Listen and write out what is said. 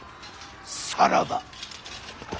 さらば。